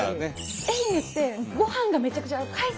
愛媛ってごはんがめちゃくちゃ海鮮！